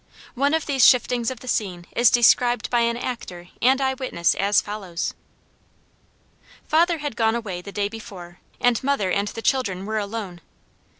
One of these shiftings of the scene is described by an actor and eye witness as follows: "Father had gone away the day before and mother and the children were alone.